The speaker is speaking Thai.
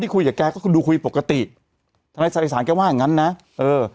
คุยกับแกก็คือดูคุยปกติถ้าในสายสารแกว่าอย่างงั้นนะเออ